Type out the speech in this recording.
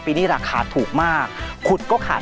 เพื่อจะไปชิงรางวัลเงินล้าน